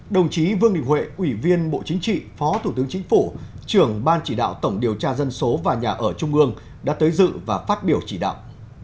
đồng chí vương đình huệ ủy viên bộ chính trị phó thủ tướng chính phủ trưởng ban chỉ đạo tổng điều tra dân số và nhà ở trung ương đã tới dự và phát biểu chỉ đạo